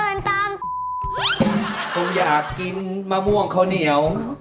ก็ช่วยกันติดตามด้วย